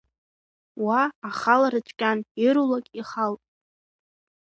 Уа ахалара цәгьан, ирулак ихалт.